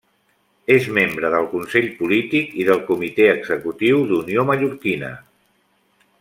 És membre del Consell Polític i del Comitè Executiu d'Unió Mallorquina.